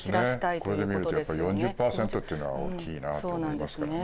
これで見ると４０％っていうのは大きいなって思いますけどね。